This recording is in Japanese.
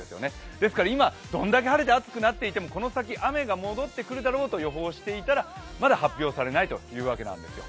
ですから今、どれだけ晴れて暑くなってもこの先、雨が戻ってくるだろうと予報していたらまだ発表されないというわけなんです。